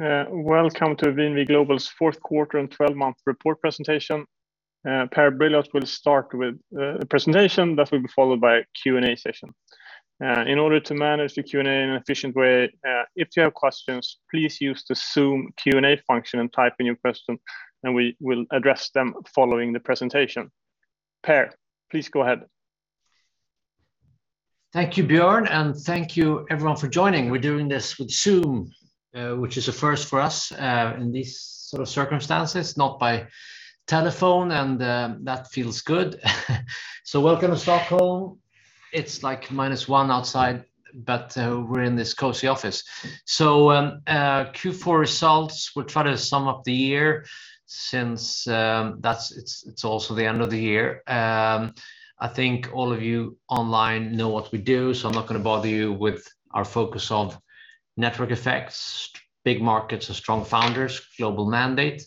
Welcome to VNV Global's fourth quarter and twelve-month report presentation. Per Brilioth will start with a presentation that will be followed by a Q&A session. In order to manage the Q&A in an efficient way, if you have questions, please use the Zoom Q&A function and type in your question and we will address them following the presentation. Per, please go ahead. Thank you, Björn, and thank you everyone for joining. We're doing this with Zoom, which is a first for us in these sort of circumstances, not by telephone, and that feels good. Welcome to Stockholm. It's like minus one outside, but we're in this cozy office. Q4 results, we'll try to sum up the year since that's also the end of the year. I think all of you online know what we do, so I'm not gonna bother you with our focus on network effects, big markets and strong founders, global mandate.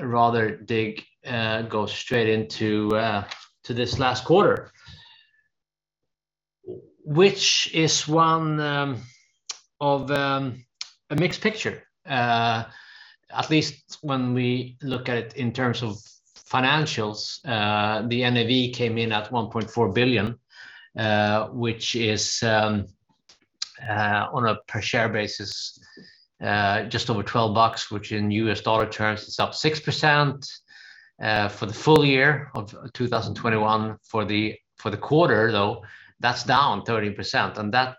Rather go straight into this last quarter, which is one of a mixed picture. At least when we look at it in terms of financials. The NAV came in at $1.4 billion, which is on a per share basis just over $12, which in US dollar terms is up 6% for the full year of 2021. For the quarter, though, that's down 13%, and that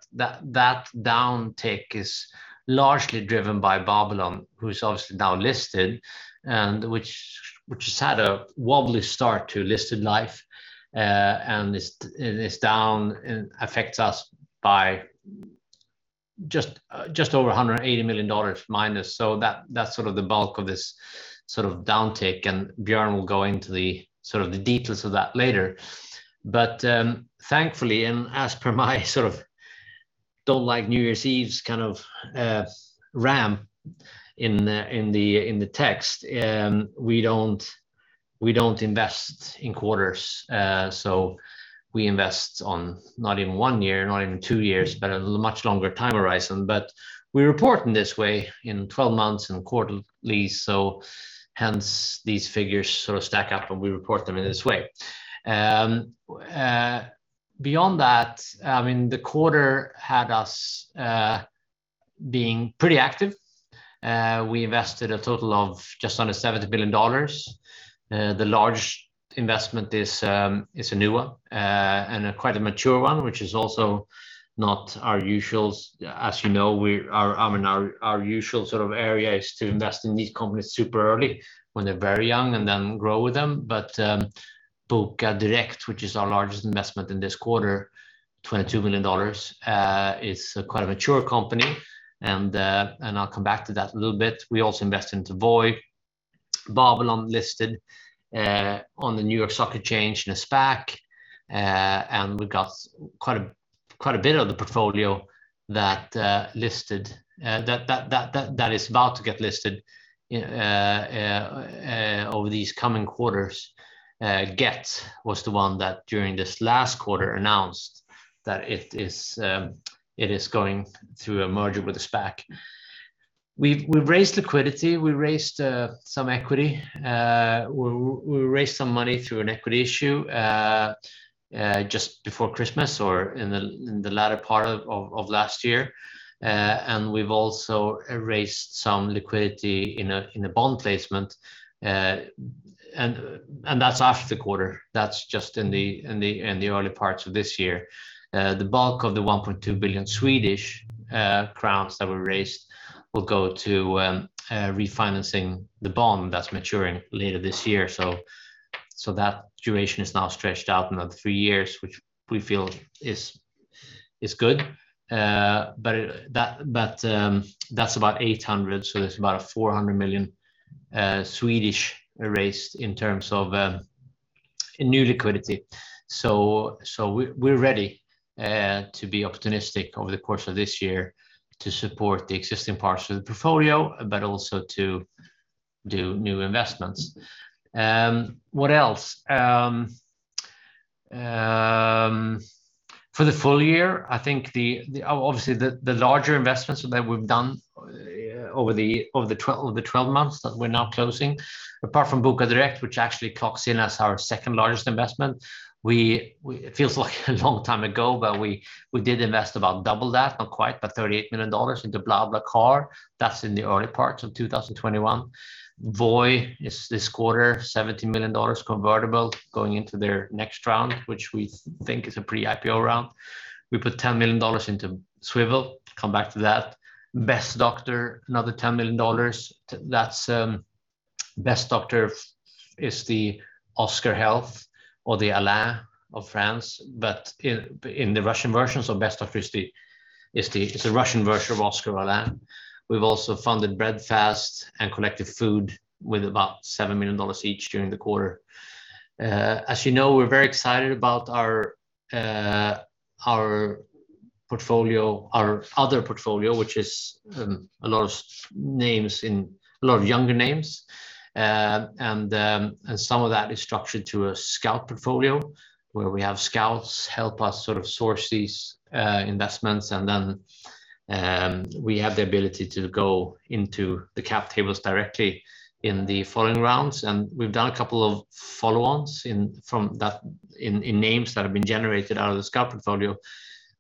downtick is largely driven by Babylon, who is obviously now listed and which has had a wobbly start to listed life, and is down and affects us by just over $180 million minus, so that's sort of the bulk of this sort of downtick. Björn will go into the sort of details of that later. Thankfully, as per my sort of don't like New Year's Eves kind of written in the text, we don't invest in quarters. We invest on not even one year, not even two years, but a much longer time horizon. We report in this way in twelve months and quarterly, so hence these figures sort of stack up and we report them in this way. Beyond that, I mean, the quarter had us being pretty active. We invested a total of just under $70 billion. The large investment is a new one and quite a mature one, which is also not our usual. As you know, our usual sort of area is to invest in these companies super early when they're very young and then grow with them. Bokadirekt, which is our largest investment in this quarter, $22 million, is quite a mature company and I'll come back to that in a little bit. We also invest into Voi. Babylon listed on the New York Stock Exchange in a SPAC, and we got quite a bit of the portfolio that is about to get listed over these coming quarters. Gett was the one that during this last quarter announced that it is going through a merger with a SPAC. We raised liquidity, we raised some equity. We raised some money through an equity issue just before Christmas or in the latter part of last year. We've also raised some liquidity in a bond placement. That's after the quarter. That's just in the early parts of this year. The bulk of 1.2 billion Swedish crowns that were raised will go to refinancing the bond that's maturing later this year. That duration is now stretched out another three years, which we feel is good. That's about 800 million, so there's about 400 million raised in terms of new liquidity. We're ready to be opportunistic over the course of this year to support the existing parts of the portfolio, but also to do new investments. For the full year, I think obviously the larger investments that we've done over the 12 months that we're now closing, apart from Bokadirekt, which actually clocks in as our second largest investment. It feels like a long time ago, but we did invest about double that, not quite, but $38 million into BlaBlaCar. That's in the early parts of 2021. Voi is this quarter, $70 million convertible going into their next round, which we think is a pre-IPO round. We put $10 million into Swvl. Come back to that. BestDoctor, another $10 million. That's BestDoctor is the Oscar Health or the Alan of France. But in the Russian versions of BestDoctor is the it's a Russian version of Oscar or Alan. We've also funded Breadfast and Collectiv Food with about $7 million each during the quarter. As you know, we're very excited about our portfolio, our other portfolio, which is a lot of younger names. Some of that is structured to a scout portfolio where we have scouts help us sort of source these investments and then we have the ability to go into the cap tables directly in the following rounds. We've done a couple of follow-ons from that in names that have been generated out of the scout portfolio.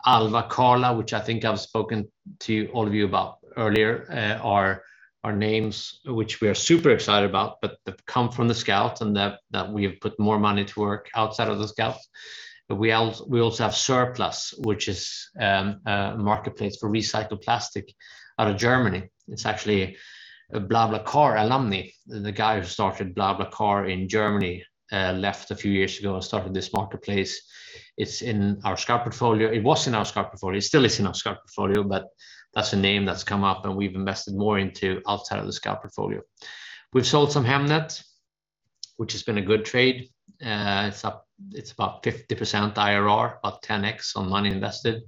Alva Labs, Carla, which I think I've spoken to all of you about earlier, are names which we are super excited about, but that come from the Scout and that we have put more money to work outside of the Scout. We also have Cirplus, which is a marketplace for recycled plastic out of Germany. It's actually a BlaBlaCar alumni. The guy who started BlaBlaCar in Germany left a few years ago and started this marketplace. It's in our scout portfolio. It was in our scout portfolio. It still is in our scout portfolio, but that's a name that's come up, and we've invested more into outside of the scout portfolio. We've sold some Hemnet, which has been a good trade. It's about 50% IRR, about 10x on money invested.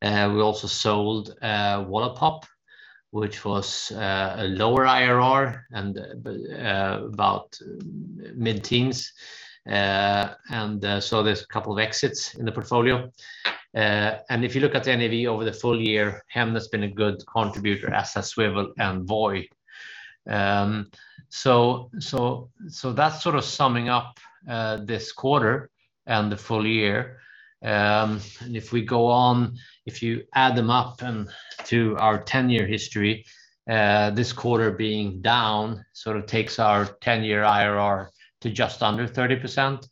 We also sold Wallapop, which was a lower IRR and about mid-teens. There's a couple of exits in the portfolio. If you look at the NAV over the full year, Hemnet's been a good contributor, as has Swvl and Voi. That's sort of summing up this quarter and the full year. If we go on, if you add them up and to our 10-year history, this quarter being down sort of takes our 10-year IRR to just under 30%.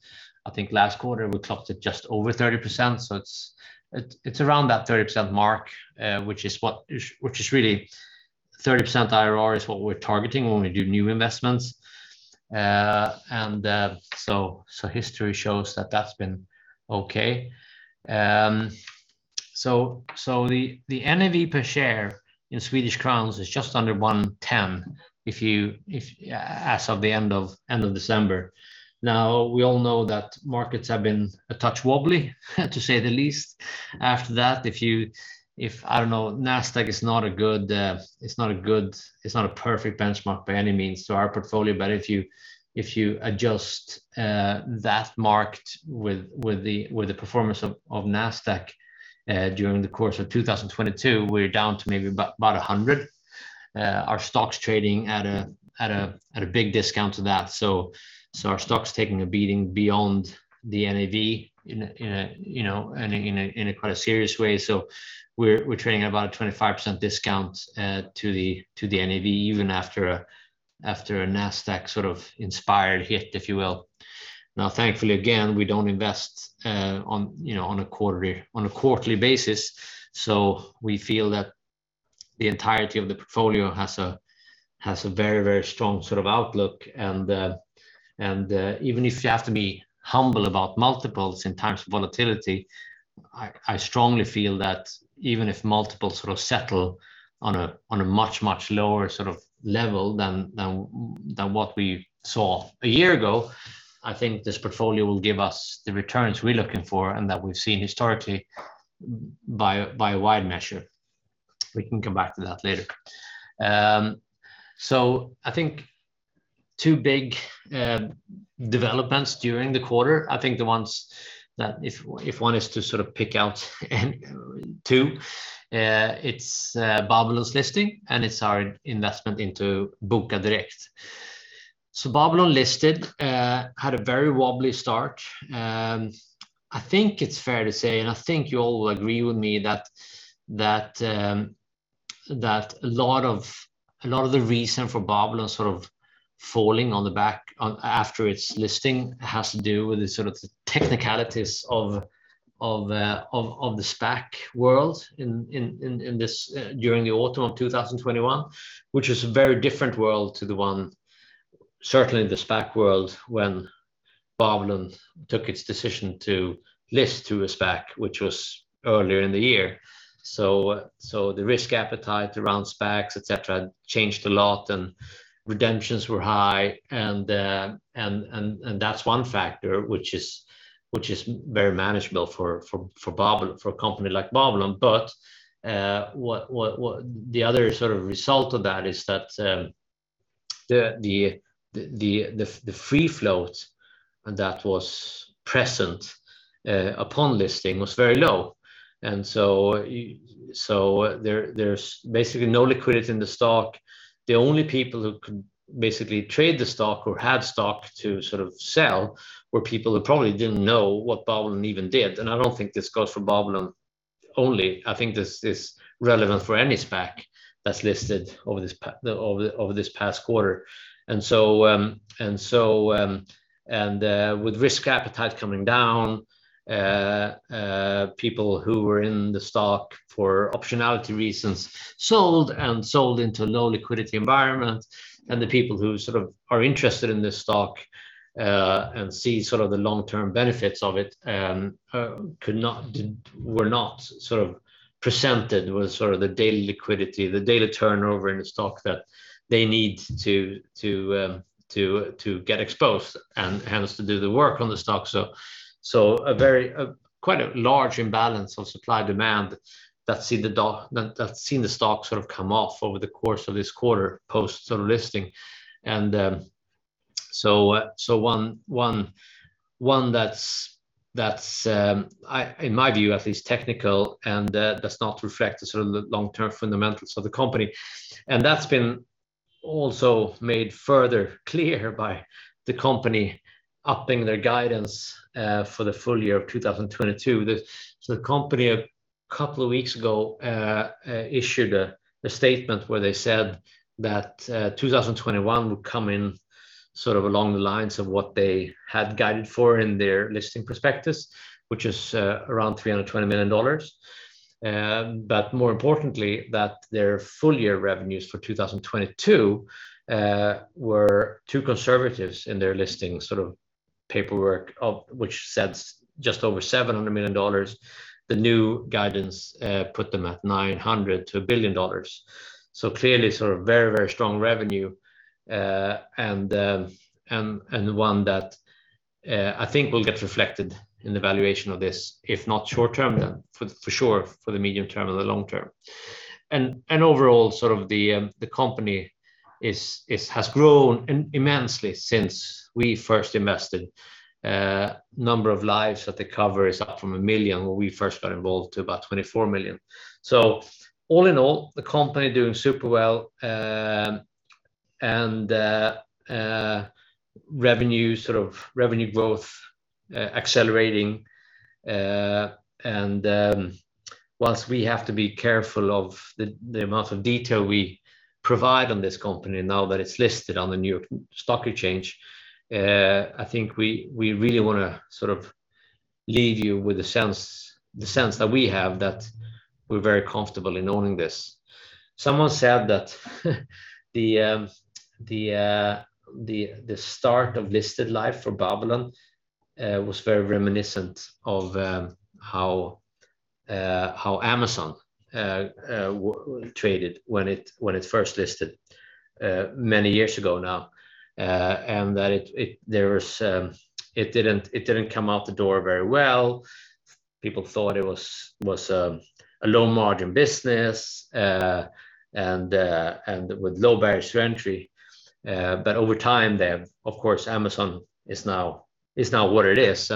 I think last quarter we topped it just over 30%. It's around that 30% mark, which is really 30% IRR is what we're targeting when we do new investments. History shows that that's been okay. The NAV per share in SEK is just under 110 as of the end of December. Now, we all know that markets have been a touch wobbly, to say the least. After that, I don't know, Nasdaq is not a good, it's not a perfect benchmark by any means to our portfolio. But if you adjust that mark to the performance of Nasdaq during the course of 2022, we're down to maybe about 100. Our stock's trading at a big discount to that. Our stock's taking a beating beyond the NAV in a, you know, in a quite serious way. We're trading at about a 25% discount to the NAV, even after a Nasdaq sort of inspired hit, if you will. Now, thankfully, again, we don't invest, you know, on a quarterly basis. We feel that the entirety of the portfolio has a very strong sort of outlook. Even if you have to be humble about multiples in times of volatility, I strongly feel that even if multiples sort of settle on a much lower sort of level than what we saw a year ago, I think this portfolio will give us the returns we're looking for and that we've seen historically by a wide measure. We can come back to that later. I think two big developments during the quarter. I think the ones that if one is to sort of pick out two, it's Babylon's listing, and it's our investment into Bokadirekt. Babylon listed, had a very wobbly start. I think it's fair to say, and I think you all will agree with me that a lot of the reason for Babylon sort of falling back after its listing has to do with the sort of the technicalities of the SPAC world during the autumn of 2021, which is a very different world to the one certainly in the SPAC world when Babylon took its decision to list through a SPAC, which was earlier in the year. The risk appetite around SPACs, etc., changed a lot and redemptions were high and that's one factor which is very manageable for Babylon, for a company like Babylon. What the other sort of result of that is that the free float that was present upon listing was very low. There's basically no liquidity in the stock. The only people who could basically trade the stock or have stock to sort of sell were people who probably didn't know what Babylon even did. I don't think this goes for Babylon only. I think this is relevant for any SPAC that's listed over this past quarter. With risk appetite coming down, people who were in the stock for optionality reasons sold into low liquidity environment. The people who sort of are interested in this stock and see sort of the long-term benefits of it were not sort of presented with sort of the daily liquidity, the daily turnover in the stock that they need to get exposed and hence to do the work on the stock. Quite a large imbalance of supply and demand that's seen the stock sort of come off over the course of this quarter post sort of listing. One that's in my view at least technical and does not reflect the sort of the long-term fundamentals of the company. That's been also made further clear by the company upping their guidance for the full year of 2022. The company a couple of weeks ago issued a statement where they said that 2021 would come in sort of along the lines of what they had guided for in their listing prospectus, which is around $320 million. But more importantly, that their full year revenues for 2022 were too conservative in their listing sort of paperwork of which sets just over $700 million. The new guidance put them at $900 million-$1 billion. Clearly sort of very strong revenue. One that I think will get reflected in the valuation of this, if not short term, then for sure for the medium term or the long term. Overall sort of the company has grown immensely since we first invested. Number of lives that they cover is up from 1 million when we first got involved to about 24 million. All in all, the company doing super well. Revenue sort of revenue growth accelerating. While we have to be careful of the amount of detail we provide on this company now that it's listed on the New York Stock Exchange, I think we really wanna sort of leave you with a sense that we're very comfortable in owning this. Someone said that the start of listed life for Babylon was very reminiscent of how Amazon traded when it first listed many years ago now. That it didn't come out the door very well. People thought it was a low margin business and with low barriers to entry. Over time then, of course, Amazon is now what it is.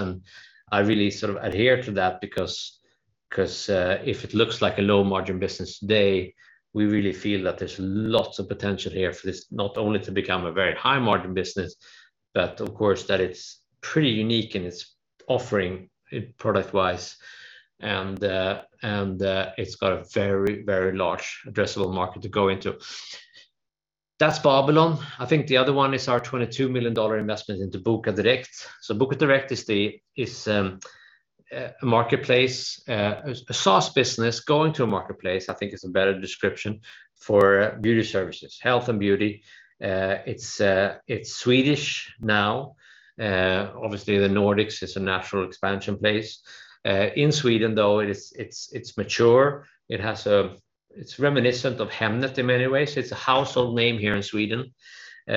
I really sort of adhere to that because, 'cause, if it looks like a low margin business today, we really feel that there's lots of potential here for this not only to become a very high margin business, but of course that it's pretty unique in its offering product-wise. It's got a very large addressable market to go into. That's Babylon. I think the other one is our $22 million investment into Bokadirekt. Bokadirekt is a marketplace, a SaaS business going to a marketplace, I think is a better description, for beauty services, health and beauty. It's Swedish now. Obviously the Nordics is a natural expansion place. In Sweden though it's mature. It has. It's reminiscent of Hemnet in many ways. It's a household name here in Sweden, which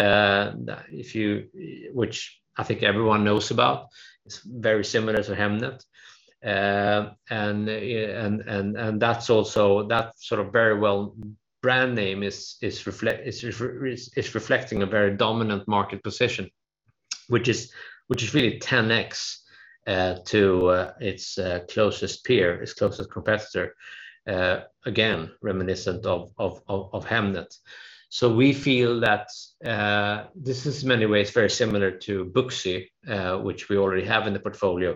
I think everyone knows about. It's very similar to Hemnet. That's also that sort of very well brand name reflecting a very dominant market position, which is really 10x to its closest peer, its closest competitor, again, reminiscent of Hemnet. We feel that this is in many ways very similar to Booksy, which we already have in the portfolio.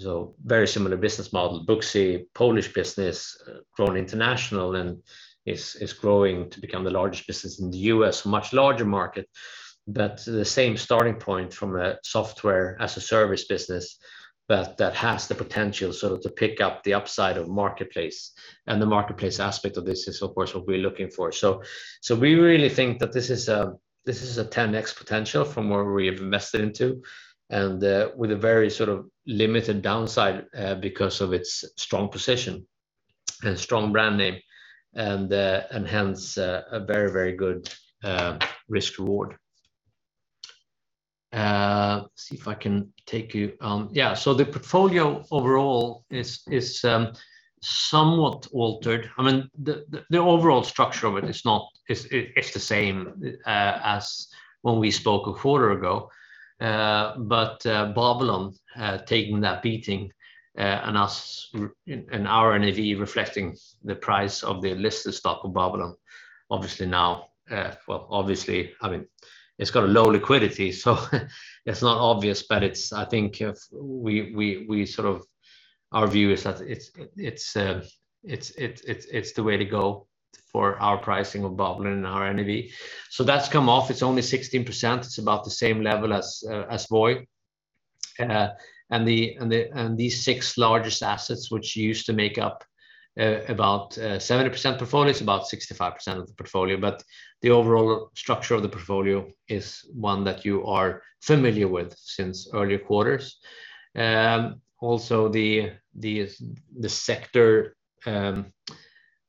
Very similar business model. Booksy, Polish business, grown international and is growing to become the largest business in the U.S., much larger market. The same starting point from a software as a service business, but that has the potential to pick up the upside of marketplace. The marketplace aspect of this is of course what we're looking for. So we really think that this is a 10x potential from where we have invested into, and with a very sort of limited downside because of its strong position and strong brand name, and hence a very, very good risk reward. See if I can take you. Yeah. So the portfolio overall is somewhat altered. I mean, the overall structure of it is the same as when we spoke a quarter ago. Babylon taking that beating, and our NAV reflecting the price of the listed stock of Babylon. Obviously now, well, obviously, I mean, it's got a low liquidity, so it's not obvious, but it's the way to go for our pricing of Babylon and our NAV. So that's come off. It's only 16%. It's about the same level as Voi. And these six largest assets, which used to make up about 70% portfolio, it's about 65% of the portfolio. The overall structure of the portfolio is one that you are familiar with since earlier quarters. Also the sector,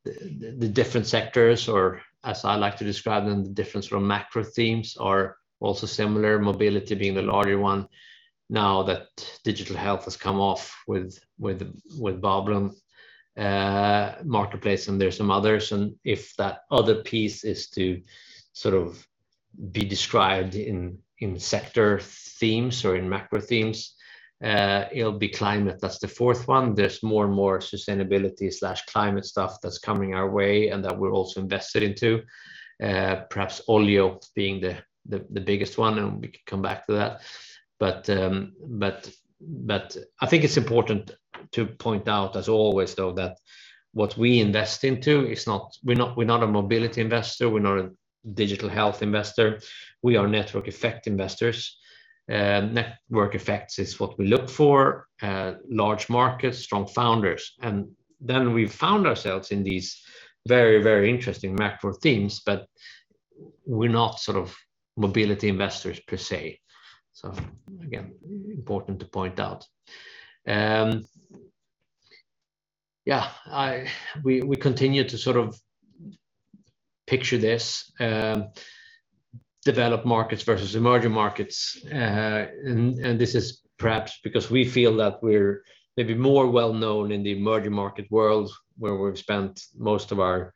the different sectors or as I like to describe them, the difference from macro themes are also similar, mobility being the larger one now that digital health has come off with Babylon, marketplace, and there are some others. If that other piece is to sort of be described in sector themes or in macro themes, it'll be climate, that's the fourth one. There's more and more sustainability/climate stuff that's coming our way and that we're also invested into. Perhaps OLIO being the biggest one, and we can come back to that. But I think it's important to point out as always, though, that what we invest into is not, we're not a mobility investor, we're not a digital health investor, we are network effect investors. Network effects is what we look for, large markets, strong founders. Then we found ourselves in these very, very interesting macro themes, but we're not sort of mobility investors per se. Again, important to point out. Yeah, we continue to sort of picture this, developed markets versus emerging markets. This is perhaps because we feel that we're maybe more well known in the emerging market world where we've spent most of our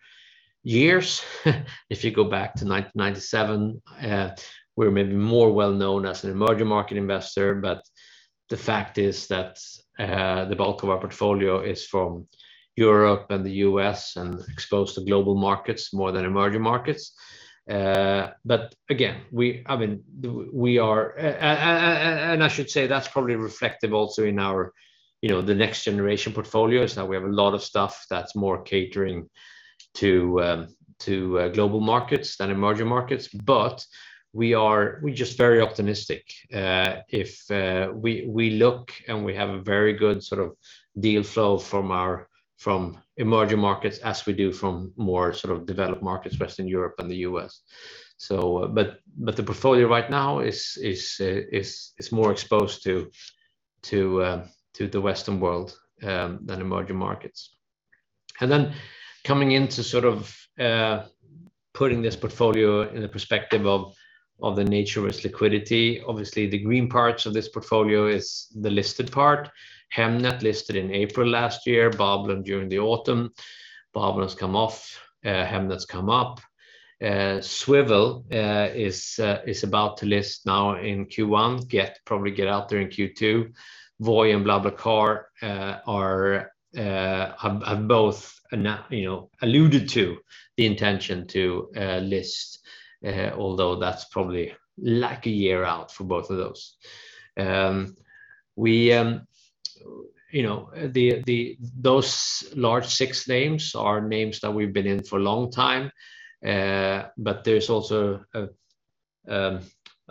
years. If you go back to 1997, we're maybe more well known as an emerging market investor. The fact is that the bulk of our portfolio is from Europe and the US and exposed to global markets more than emerging markets. Again, I mean, we are... I should say that's probably reflective also in our, you know, the next generation portfolios, that we have a lot of stuff that's more catering to global markets than emerging markets. We are just very optimistic. We look and we have a very good sort of deal flow from emerging markets as we do from more sort of developed markets, Western Europe and the U.S. The portfolio right now is more exposed to the Western world than emerging markets. Coming into putting this portfolio in the perspective of the nature of its liquidity, obviously the green parts of this portfolio is the listed part. Hemnet listed in April last year, Babylon during the autumn. Babylon's come off, Hemnet's come up. Swvl is about to list now in Q1, probably get out there in Q2. Voi and BlaBlaCar have both now, you know, alluded to the intention to list, although that's probably like a year out for both of those. You know, those large six names are names that we've been in for a long time. But there's also a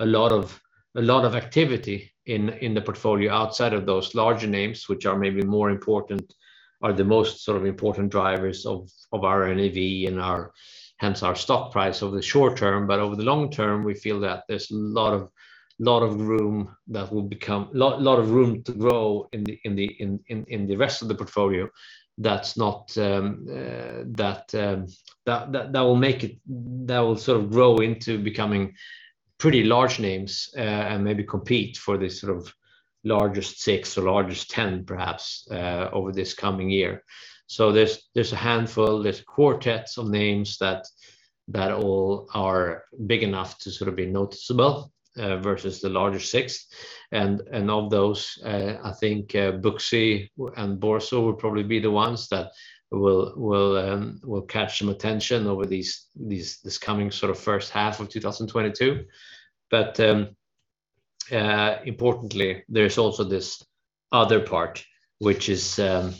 lot of activity in the portfolio outside of those larger names, which are maybe more important, are the most sort of important drivers of our NAV and hence our stock price over the short term. Over the long term, we feel that there's a lot of room to grow in the rest of the portfolio that will sort of grow into becoming pretty large names, and maybe compete for the sort of largest six or largest 10 perhaps, over this coming year. There's a handful, quartets of names that all are big enough to sort of be noticeable versus the larger six. Of those, I think, Booksy and Borzo will probably be the ones that will catch some attention over this coming sort of first half of 2022. Importantly, there's also this other part which is where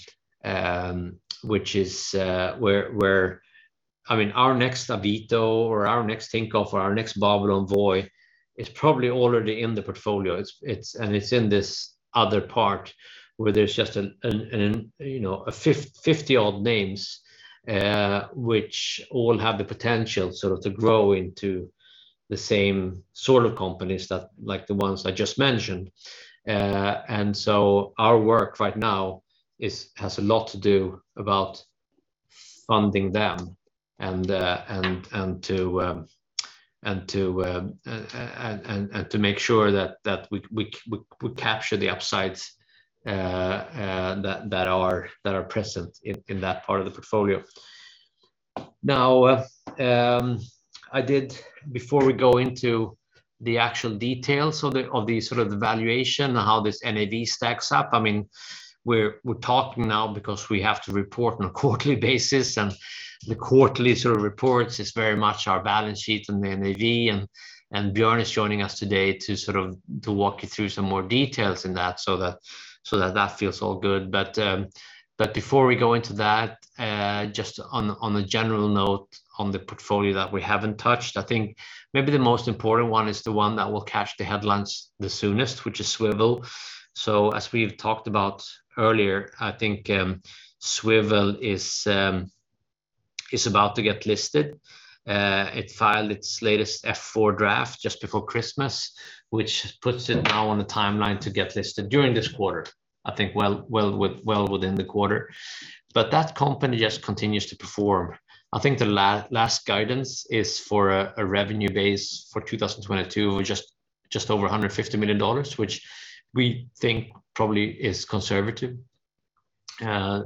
I mean, our next Avito or our next Tinkoff or our next Babylon, Voi is probably already in the portfolio. It's in this other part where there's just an you know, a 50 odd names which all have the potential sort of to grow into the same sort of companies that like the ones I just mentioned. Our work right now has a lot to do with funding them and to make sure that we capture the upsides that are present in that part of the portfolio. Now, before we go into the actual details of the sort of valuation and how this NAV stacks up, I mean, we're talking now because we have to report on a quarterly basis, and the quarterly sort of reports is very much our balance sheet and the NAV. Björn is joining us today to walk you through some more details in that so that that feels all good. Before we go into that, just on a general note on the portfolio that we haven't touched, I think maybe the most important one is the one that will catch the headlines the soonest, which is Swvl. As we've talked about earlier, I think Swvl is about to get listed. It filed its latest F-4 draft just before Christmas, which puts it now on the timeline to get listed during this quarter, I think well within the quarter. That company just continues to perform. I think the last guidance is for a revenue base for 2022 of just over $150 million, which we think probably is conservative.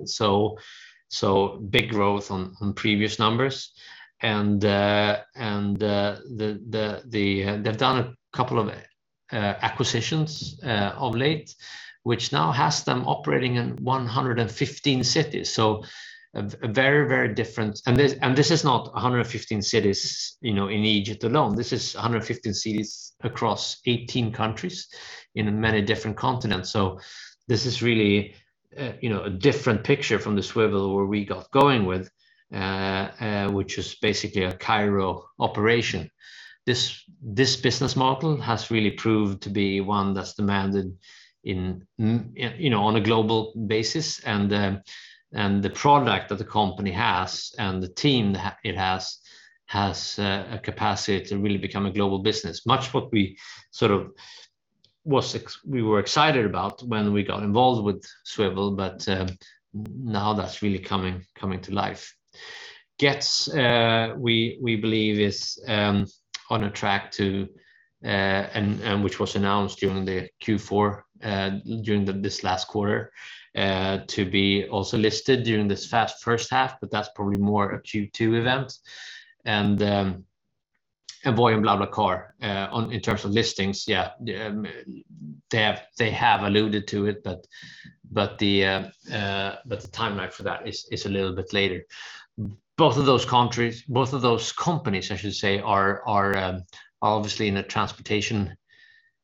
So big growth on previous numbers. They've done a couple of acquisitions of late, which now has them operating in 115 cities. So a very different. This is not 115 cities, you know, in Egypt alone. This is 115 cities across 18 countries in many different continents. This is really, you know, a different picture from Swvl where we got going with, which is basically a Cairo operation. This business model has really proved to be one that's demanded in, you know, on a global basis. The product that the company has and the team has a capacity to really become a global business. Much what we were excited about when we got involved with Swvl, but now that's really coming to life. Gett, we believe, is on a track to and which was announced during the Q4, during this last quarter, to be also listed during this first half, but that's probably more a Q2 event. Voi and BlaBlaCar, in terms of listings, yeah, they have alluded to it, but the timeline for that is a little bit later. Both of those companies, I should say, are obviously in the transportation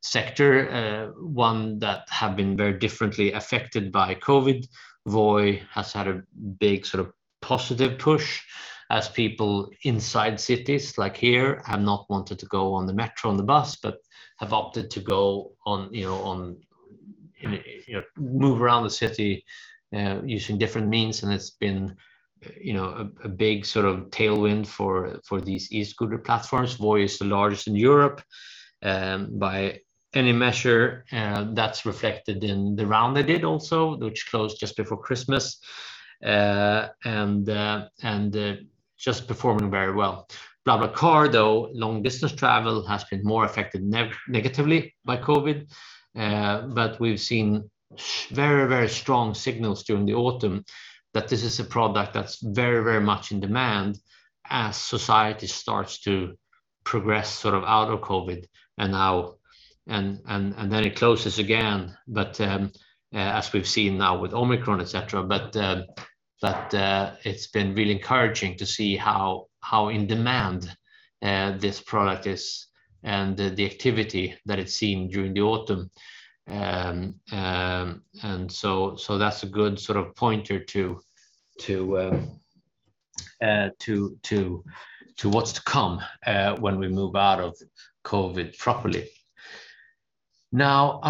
sector, one that have been very differently affected by COVID. Voi has had a big sort of positive push as people inside cities like here have not wanted to go on the metro and the bus, but have opted to, you know, move around the city using different means. It's been, you know, a big sort of tailwind for these e-scooter platforms. Voi is the largest in Europe, by any measure, and that's reflected in the round they did also, which closed just before Christmas. Just performing very well. BlaBlaCar, though, long distance travel has been more affected negatively by COVID. We've seen very, very strong signals during the autumn that this is a product that's very, very much in demand as society starts to progress sort of out of COVID. As we've seen now with Omicron, et cetera. It's been really encouraging to see how in demand this product is and the activity that it's seen during the autumn. That's a good sort of pointer to what's to come when we move out of COVID properly. Now,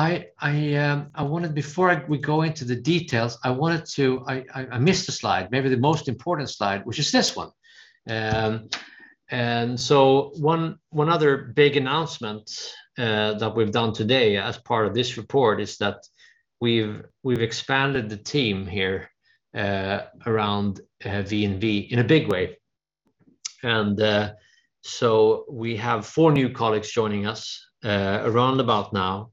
before we go into the details, I missed a slide, maybe the most important slide, which is this one. One other big announcement that we've done today as part of this report is that we've expanded the team here around VNV in a big way. We have four new colleagues joining us around about now.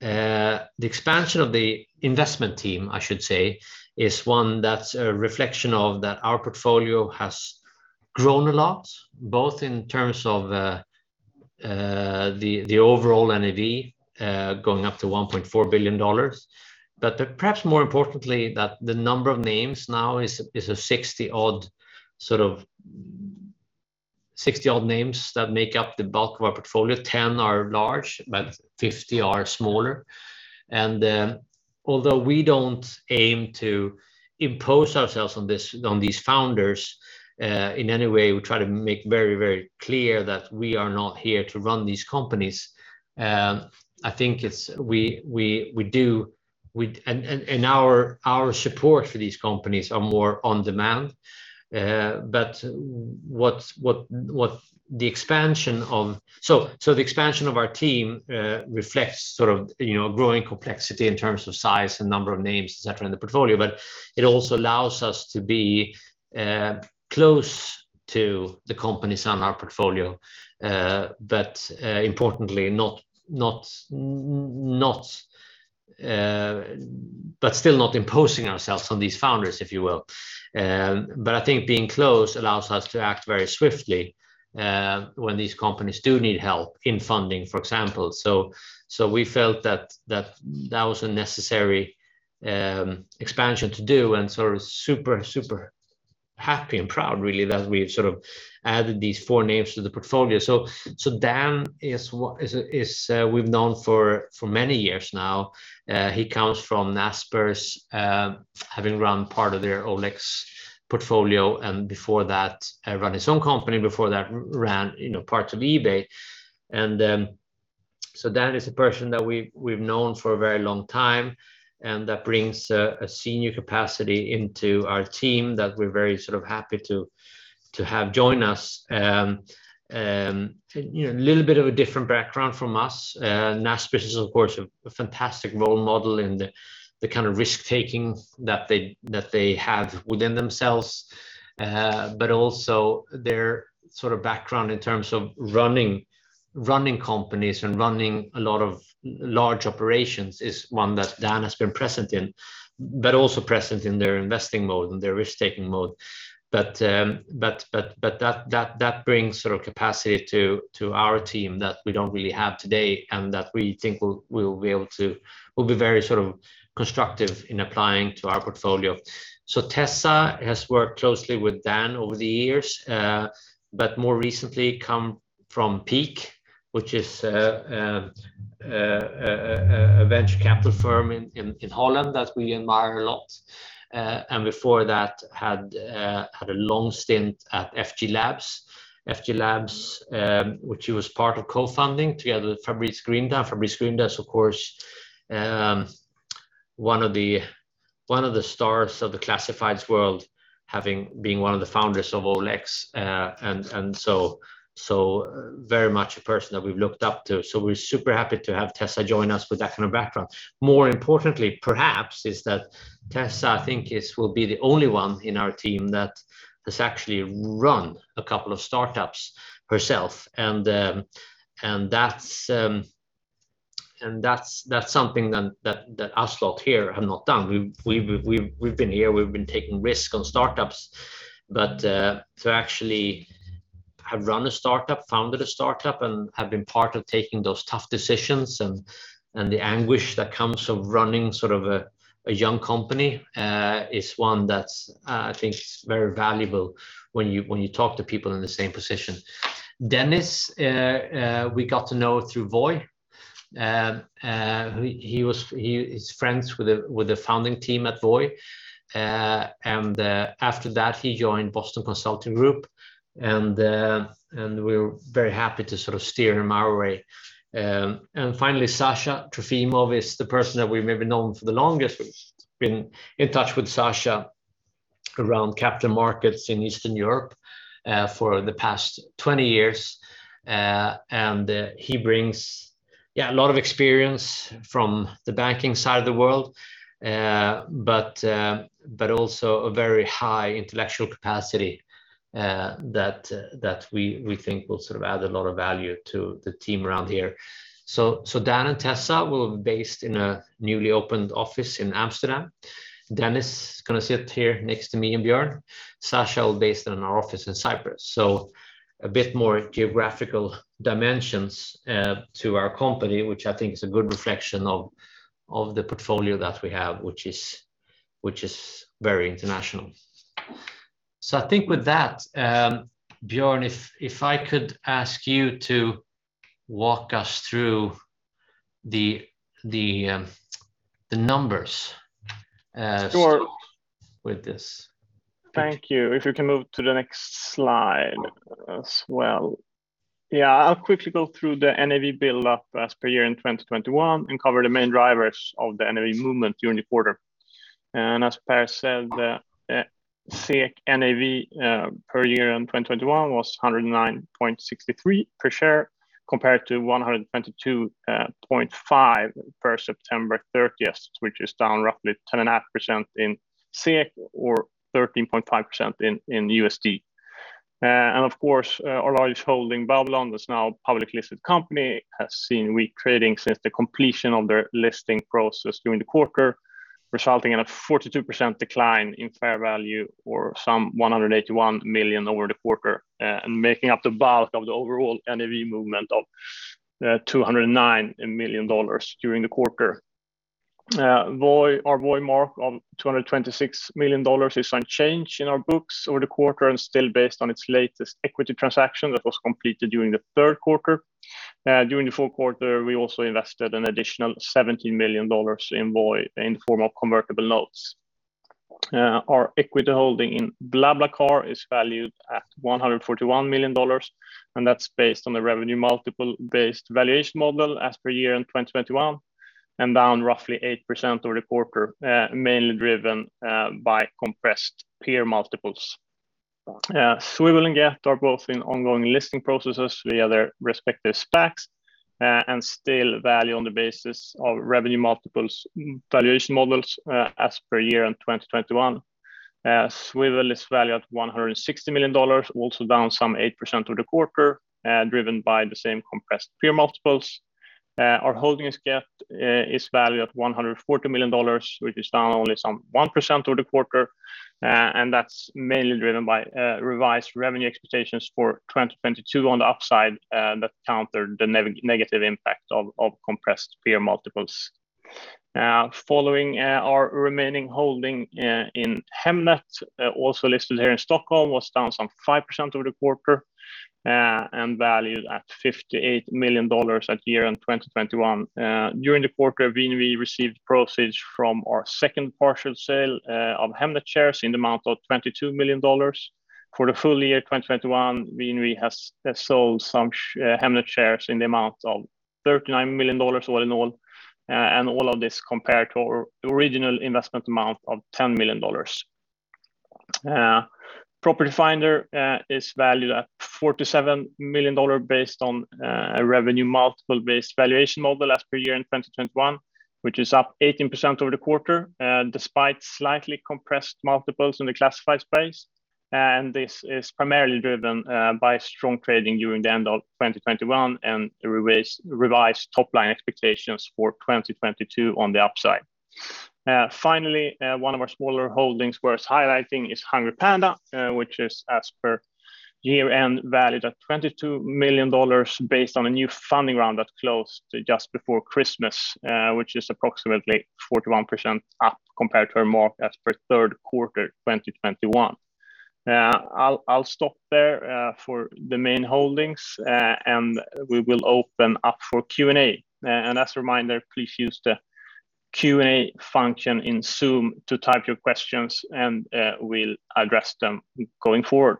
The expansion of the investment team, I should say, is one that's a reflection of that our portfolio has grown a lot, both in terms of the overall NAV going up to $1.4 billion. But perhaps more importantly, that the number of names now is a 60-odd names that make up the bulk of our portfolio. 10 are large, but 50 are smaller. Although we don't aim to impose ourselves on these founders in any way, we try to make very, very clear that we are not here to run these companies. I think we do. Our support for these companies are more on demand. But the expansion of our team reflects sort of, you know, a growing complexity in terms of size and number of names, et cetera, in the portfolio. It also allows us to be close to the companies on our portfolio, but importantly, not imposing ourselves on these founders, if you will. I think being close allows us to act very swiftly when these companies do need help in funding, for example. We felt that that was a necessary expansion to do and sort of super happy and proud really that we've sort of added these four names to the portfolio. Dan, we've known for many years now. He comes from Naspers, having run part of their OLX portfolio and before that ran his own company, before that ran you know parts of eBay. Dan is a person that we've known for a very long time, and that brings a senior capacity into our team that we're very sort of happy to have join us. You know, a little bit of a different background from us. Naspers is of course a fantastic role model in the kind of risk-taking that they have within themselves. But also their sort of background in terms of running companies and running a lot of large operations is one that Dan has been present in, but also present in their investing mode and their risk-taking mode. That brings sort of capacity to our team that we don't really have today and that we think will be very sort of constructive in applying to our portfolio. Tessa has worked closely with Dan over the years, but more recently come from Peak, which is a venture capital firm in Holland that we admire a lot. Before that had a long stint at FJ Labs, which she was part of co-founding together with Fabrice Grinda. Fabrice Grinda is, of course, one of the stars of the classifieds world, being one of the founders of OLX. So very much a person that we've looked up to. We're super happy to have Tessa join us with that kind of background. More importantly, perhaps, is that Tessa, I think, will be the only one in our team that has actually run a couple of startups herself. That's something that us lot here have not done. We've been here, we've been taking risks on startups. To actually have run a startup, founded a startup, and have been part of taking those tough decisions and the anguish that comes of running sort of a young company is one that's, I think, very valuable when you talk to people in the same position. Dennis, we got to know through Voi. He is friends with the founding team at Voi. After that, he joined Boston Consulting Group. We're very happy to sort of steer him our way. Finally, is the person that we've maybe known for the longest. We've been in touch with Sasha around capital markets in Eastern Europe for the past 20 years. He brings, yeah, a lot of experience from the banking side of the world, but also a very high intellectual capacity that we think will sort of add a lot of value to the team around here. Dan and Tessa will be based in a newly opened office in Amsterdam. Dennis is gonna sit here next to me and Björn. Sasha will be based in our office in Cyprus. A bit more geographical dimensions to our company, which I think is a good reflection of the portfolio that we have, which is very international. I think with that, Björn, if I could ask you to walk us through the numbers. Sure with this. Thank you. If you can move to the next slide as well. Yeah. I'll quickly go through the NAV build-up as per year-end 2021 and cover the main drivers of the NAV movement during the quarter. As Per said, the SEK NAV per year-end 2021 was 109.63 per share, compared to 122.5 per September 30, which is down roughly 10.5% in SEK or 13.5% in USD. Of course, our large holding, Babylon, that's now a publicly listed company, has seen weak trading since the completion of their listing process during the quarter, resulting in a 42% decline in fair value or some $181 million over the quarter, and making up the bulk of the overall NAV movement of $209 million during the quarter. Voi, our Voi mark of $226 million is unchanged in our books over the quarter and still based on its latest equity transaction that was completed during the third quarter. During the fourth quarter, we also invested an additional $70 million in Voi in the form of convertible notes. Our equity holding in BlaBlaCar is valued at $141 million, and that's based on the revenue multiple-based valuation model as per year-end 2021 and down roughly 8% over the quarter, mainly driven by compressed peer multiples. Swvl and Gett are both in ongoing listing processes via their respective SPACs, and still value on the basis of revenue multiples valuation models, as per year-end 2021. Swvl is valued at $160 million, also down some 8% over the quarter, driven by the same compressed peer multiples. Our holding in Gett is valued at $140 million, which is down only some 1% over the quarter. That's mainly driven by revised revenue expectations for 2022 on the upside that counter the negative impact of compressed peer multiples. Following our remaining holding in Hemnet, also listed here in Stockholm, was down some 5% over the quarter, and valued at $58 million at year-end 2021. During the quarter, VNV received proceeds from our second partial sale of Hemnet shares in the amount of $22 million. For the full year 2021, VNV has sold some Hemnet shares in the amount of $39 million all in all, and all of this compared to our original investment amount of $10 million. Property Finder is valued at $47 million based on a revenue multiple-based valuation model as per year-end 2021, which is up 18% over the quarter, despite slightly compressed multiples in the classified space. This is primarily driven by strong trading during the end of 2021 and revised top-line expectations for 2022 on the upside. Finally, one of our smaller holdings worth highlighting is Hungry Panda, which is as per year-end valued at $22 million based on a new funding round that closed just before Christmas, which is approximately 41% up compared to our mark as per third quarter 2021. Yeah, I'll stop there for the main holdings. We will open up for Q&A. As a reminder, please use the Q&A function in Zoom to type your questions, and we'll address them going forward.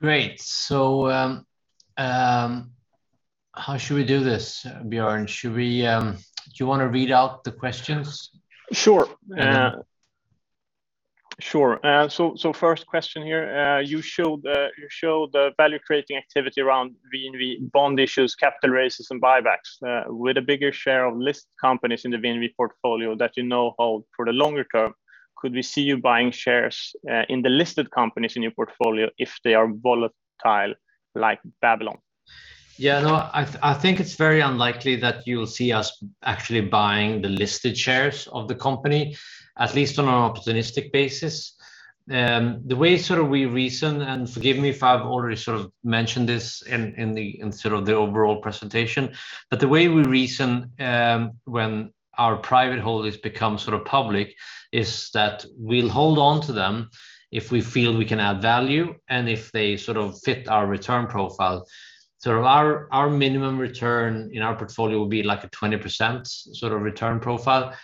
Great. How should we do this, Björn? Do you wanna read out the questions? Sure. Mm-hmm. Sure. First question here. You showed the value-creating activity around VNV bond issues, capital raises, and buybacks, with a bigger share of listed companies in the VNV portfolio that you now hold for the longer term. Could we see you buying shares in the listed companies in your portfolio if they are volatile like Babylon? Yeah, no. I think it's very unlikely that you'll see us actually buying the listed shares of the company, at least on an opportunistic basis. The way sort of we reason, and forgive me if I've already sort of mentioned this in sort of the overall presentation. The way we reason, when our private holdings become sort of public is that we'll hold on to them if we feel we can add value and if they sort of fit our return profile. Our minimum return in our portfolio would be, like, a 20% sort of return profile.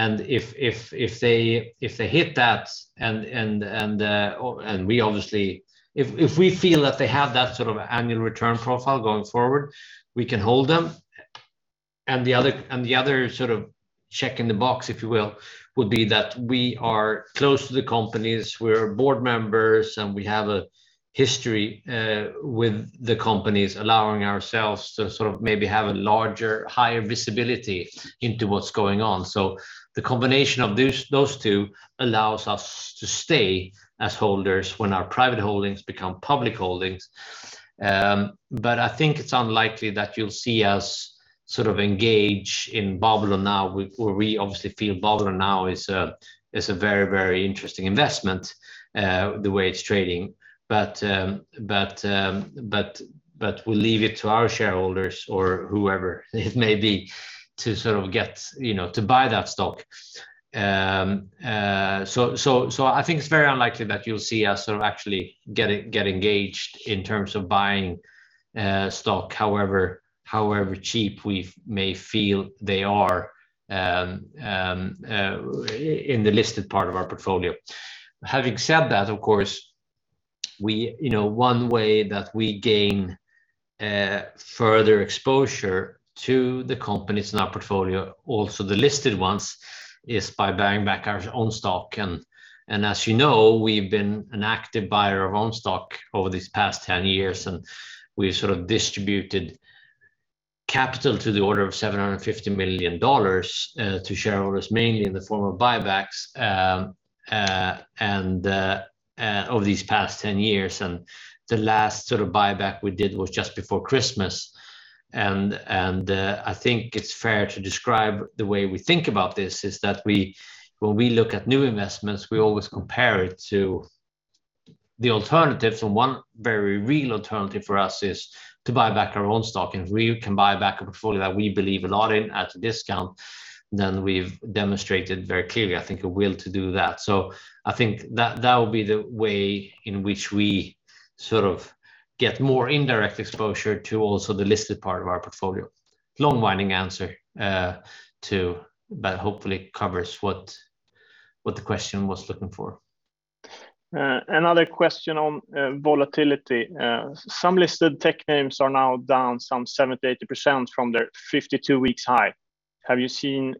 If they hit that and we obviously if we feel that they have that sort of annual return profile going forward, we can hold them. The other sort of check in the box, if you will, would be that we are close to the companies. We're board members, and we have a history with the companies, allowing ourselves to sort of maybe have a larger, higher visibility into what's going on. The combination of those two allows us to stay as holders when our private holdings become public holdings. I think it's unlikely that you'll see us sort of engage in Babylon now where we obviously feel Babylon is a very interesting investment, the way it's trading. We'll leave it to our shareholders or whoever it may be to sort of get, you know, to buy that stock. I think it's very unlikely that you'll see us sort of actually get engaged in terms of buying stock however cheap we may feel they are in the listed part of our portfolio. Having said that, of course, we, you know, one way that we gain further exposure to the companies in our portfolio, also the listed ones, is by buying back our own stock. As you know, we've been an active buyer of own stock over these past 10 years, and we've sort of distributed capital to the order of $750 million to shareholders mainly in the form of buybacks over these past 10 years. The last sort of buyback we did was just before Christmas. I think it's fair to describe the way we think about this is that we—when we look at new investments, we always compare it to the alternatives. One very real alternative for us is to buy back our own stock. If we can buy back a portfolio that we believe a lot in at a discount, then we've demonstrated very clearly, I think, a will to do that. I think that would be the way in which we sort of get more indirect exposure to also the listed part of our portfolio. Long-winded answer, but hopefully covers what the question was looking for. Another question on volatility. Some listed tech names are now down 70%-80% from their 52-week high. Have you seen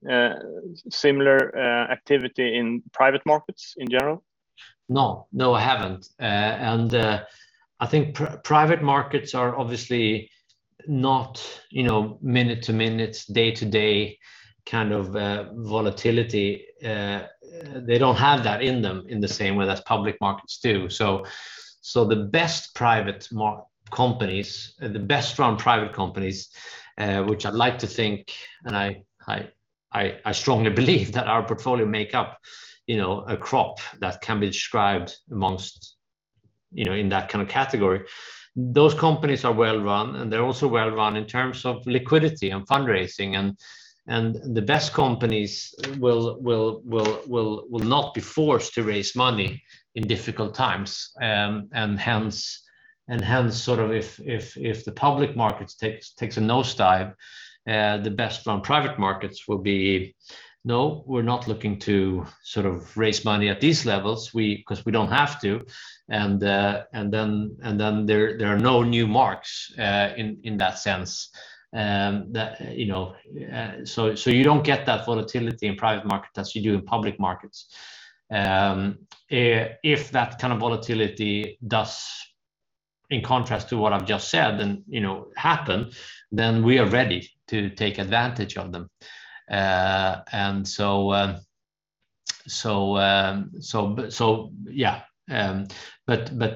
similar activity in private markets in general? No, I haven't. I think private markets are obviously not, you know, minute-to-minute, day-to-day kind of volatility. They don't have that in them in the same way that public markets do. The best private companies, the best run private companies, which I'd like to think and I strongly believe that our portfolio make up, you know, a crop that can be described amongst, you know, in that kind of category. Those companies are well-run, and they're also well-run in terms of liquidity and fundraising. The best companies will not be forced to raise money in difficult times. Hence sort of if the public markets takes a nosedive, the best run private markets will be, "No, we're not looking to sort of raise money at these levels. We 'cause we don't have to." Then there are no new marks in that sense that you know, you don't get that volatility in private market as you do in public markets. If that kind of volatility does, in contrast to what I've just said, and you know happen, then we are ready to take advantage of them. So but yeah.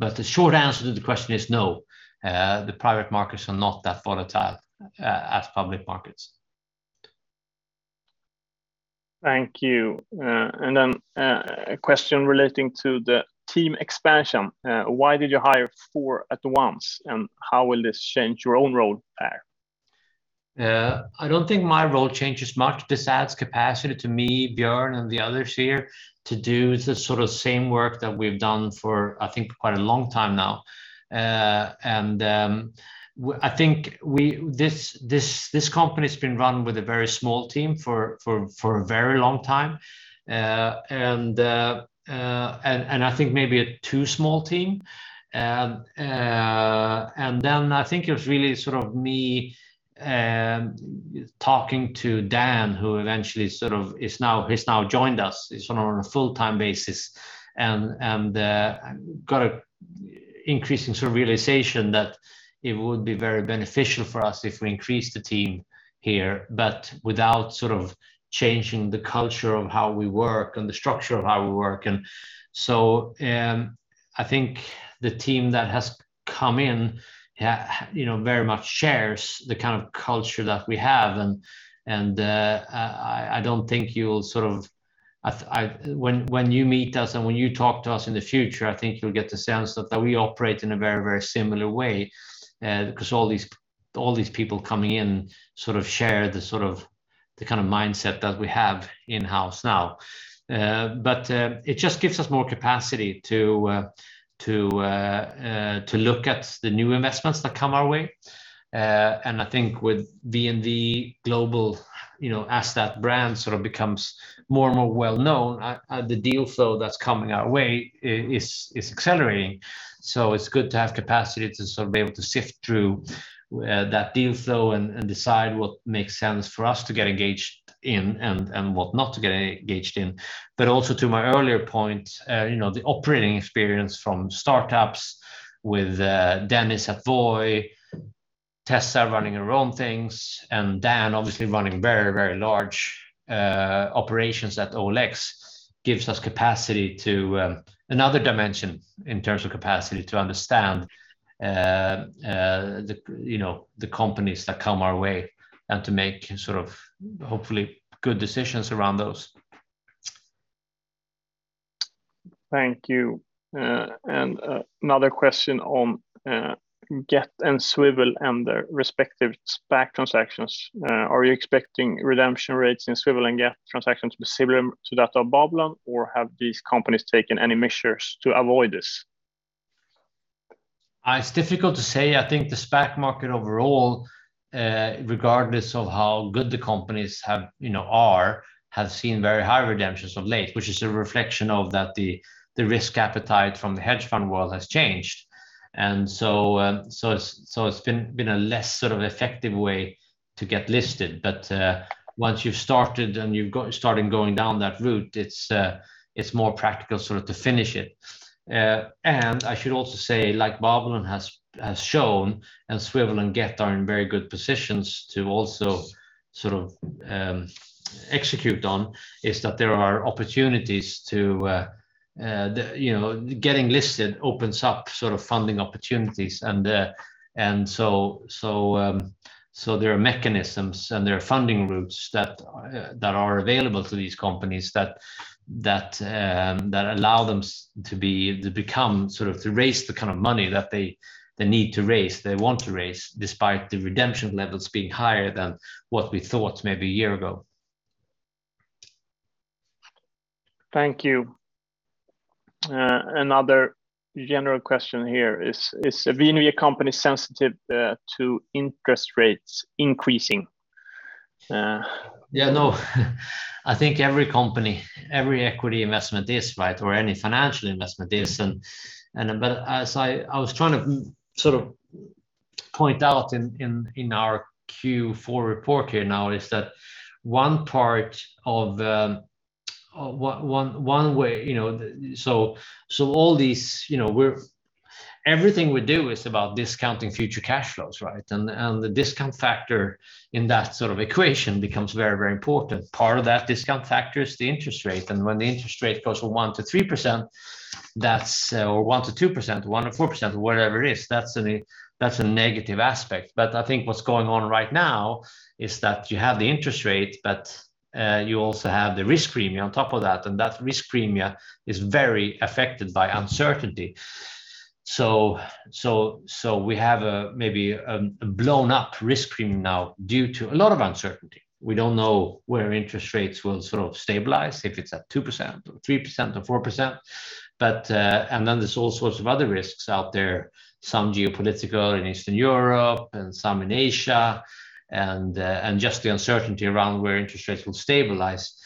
The short answer to the question is no, the private markets are not that volatile as public markets. Thank you. A question relating to the team expansion. Why did you hire four at once, and how will this change your own role there? I don't think my role changes much. This adds capacity to me, Björn, and the others here to do the sort of same work that we've done for, I think, quite a long time now. I think this company's been run with a very small team for a very long time. I think maybe a too small team. Then I think it was really sort of me talking to Dan, who eventually sort of has now joined us. He's on a full-time basis. Got an increasing sort of realization that it would be very beneficial for us if we increased the team here, but without sort of changing the culture of how we work and the structure of how we work. I think the team that has come in you know, very much shares the kind of culture that we have. I don't think you'll when you meet us and when you talk to us in the future, I think you'll get the sense that we operate in a very similar way. Because all these people coming in sort of share the sort of the kind of mindset that we have in-house now. It just gives us more capacity to look at the new investments that come our way. I think with VNV Global, you know, as that brand sort of becomes more and more well-known, the deal flow that's coming our way is accelerating. It's good to have capacity to sort of be able to sift through that deal flow and decide what makes sense for us to get engaged in and what not to get engaged in. Also to my earlier point, you know, the operating experience from startups with Dennis at Voi, Tessa running her own things, and Dan obviously running very, very large operations at OLX gives us capacity to another dimension in terms of capacity to understand you know the companies that come our way and to make sort of hopefully good decisions around those. Thank you. Another question on Gett and Swvl and their respective SPAC transactions. Are you expecting redemption rates in Swvl and Gett transactions to be similar to that of Babylon, or have these companies taken any measures to avoid this? It's difficult to say. I think the SPAC market overall, regardless of how good the companies are, you know, have seen very high redemptions of late, which is a reflection of the risk appetite from the hedge fund world has changed. It's been a less sort of effective way to get listed. Once you've started going down that route, it's more practical sort of to finish it. I should also say, like Babylon has shown, and Swvl and Gett are in very good positions to also sort of execute on is that there are opportunities, you know, getting listed opens up sort of funding opportunities. There are mechanisms and there are funding routes that are available to these companies that allow them to raise the kind of money that they need to raise, they want to raise, despite the redemption levels being higher than what we thought maybe a year ago. Thank you. Another general question here is VNV company sensitive to interest rates increasing? Yeah, no. I think every company, every equity investment is, right? Or any financial investment is. But as I was trying to sort of point out in our Q4 report here now is that one part of one way, you know all these, you know, everything we do is about discounting future cash flows, right? The discount factor in that sort of equation becomes very, very important. Part of that discount factor is the interest rate, and when the interest rate goes from 1%-3%, that's. Or 1%-2%, 1%-4%, whatever it is, that's a negative aspect. I think what's going on right now is that you have the interest rate, but you also have the risk premia on top of that, and that risk premia is very affected by uncertainty. So we have maybe a blown-up risk premia now due to a lot of uncertainty. We don't know where interest rates will sort of stabilize, if it's at 2% or 3% or 4%. Then there's all sorts of other risks out there, some geopolitical in Eastern Europe and some in Asia, and just the uncertainty around where interest rates will stabilize.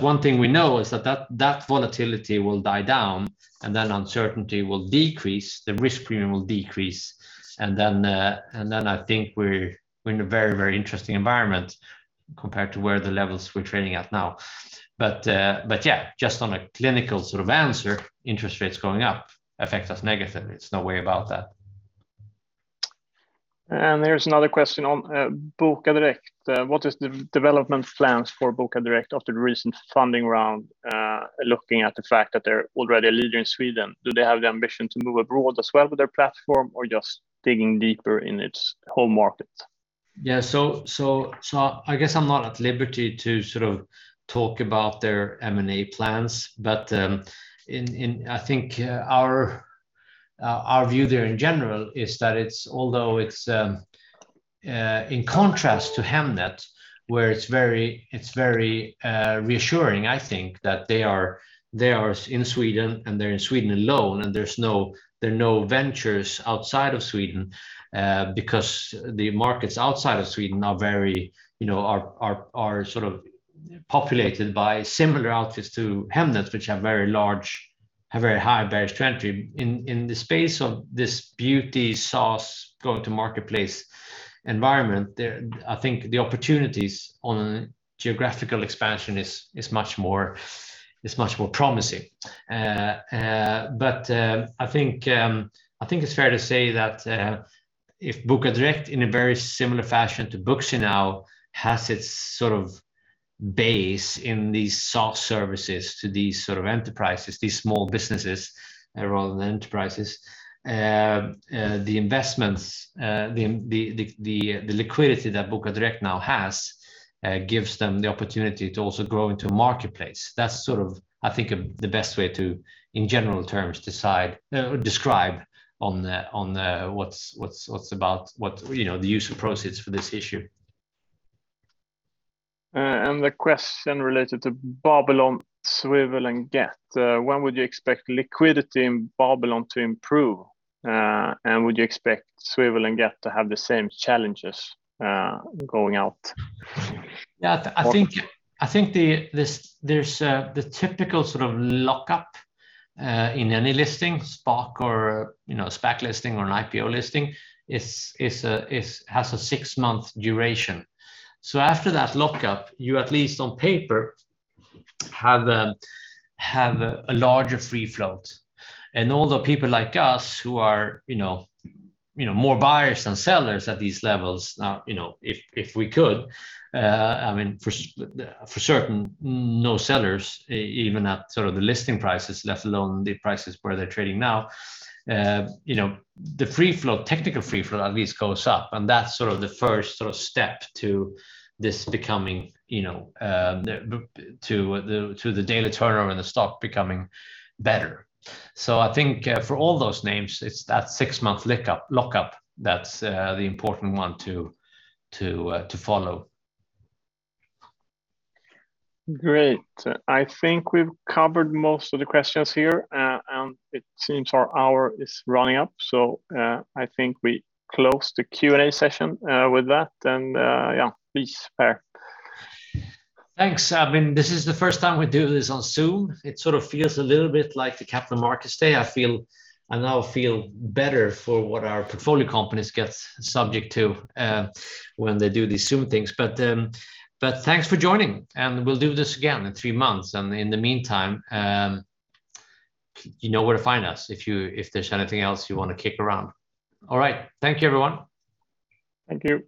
One thing we know is that volatility will die down, and then uncertainty will decrease, the risk premium will decrease, and then I think we're in a very, very interesting environment compared to where the levels we're trading at now. Yeah, just on a clinical sort of answer, interest rates going up affects us negatively. There's no way about that. There's another question on Bokadirekt. What is the development plans for Bokadirekt after the recent funding round? Looking at the fact that they're already a leader in Sweden, do they have the ambition to move abroad as well with their platform or just digging deeper in its home market? Yeah, I guess I'm not at liberty to sort of talk about their M&A plans. I think our view there in general is that although it's in contrast to Hemnet, where it's very reassuring, I think, that they are in Sweden, and they're in Sweden alone, and there are no ventures outside of Sweden, because the markets outside of Sweden are very, you know, sort of populated by similar outfits to Hemnet which have very high barriers to entry. In the space of this beauty SaaS go-to-marketplace environment, I think the opportunities on geographical expansion is much more promising. I think it's fair to say that if Bokadirekt, in a very similar fashion to Booksy now, has its sort of base in these soft services to these sort of enterprises, these small businesses rather than enterprises, the liquidity that Bokadirekt now has gives them the opportunity to also grow into a marketplace. That's sort of, I think, the best way to, in general terms, describe what you know, the use of proceeds for this issue. The question related to Babylon, Swvl, and Gett, when would you expect liquidity in Babylon to improve? Would you expect Swvl and Gett to have the same challenges going out? Yeah. I think there's the typical sort of lockup in any listing, SPAC or, you know, a SPAC listing or an IPO listing has a six-month duration. After that lockup, you at least on paper have a larger free float. Although people like us who are, you know, more buyers than sellers at these levels, you know, if we could, I mean, for certain, no sellers even at sort of the listing prices, let alone the prices where they're trading now. You know, the free float, technical free float at least goes up, and that's sort of the first sort of step to this becoming, you know, to the daily turnover and the stock becoming better. I think, for all those names, it's that six-month lockup that's the important one to follow. Great. I think we've covered most of the questions here, and it seems our hour is running up. I think we close the Q&A session with that, and yeah. Please, Per. Thanks. I mean, this is the first time we do this on Zoom. It sort of feels a little bit like the Capital Markets Day. I now feel better for what our portfolio companies get subject to when they do these Zoom things. Thanks for joining, and we'll do this again in three months. In the meantime, you know where to find us if there's anything else you wanna kick around. All right. Thank you, everyone. Thank you.